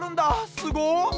すごっ。